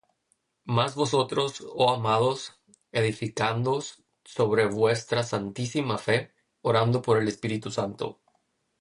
Mas vosotros, oh amados, edificándoos sobre vuestra santísima fe, orando por el Espíritu Santo.